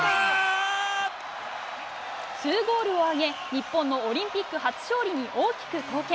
２ゴールを挙げ日本のオリンピック初勝利に大きく貢献。